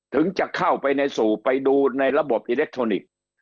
ถึงจะเข้าไปในสู่ไปดูในระบบอิเล็กทรอนิกส์